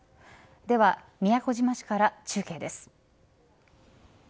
では、宮古島市から中継です。